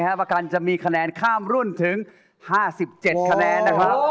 และประกันจะมีคะแนนข้ามรุ่นถึง๕๗คะแนน